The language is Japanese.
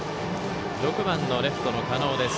６番のレフトの狩野です。